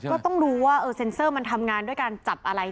ก็ต้องรู้ว่าเซ็นเซอร์มันทำงานด้วยการจับอะไร